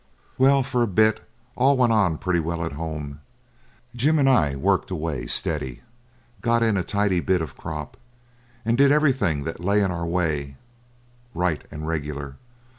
Well, for a bit all went on pretty well at home. Jim and I worked away steady, got in a tidy bit of crop, and did everything that lay in our way right and regular.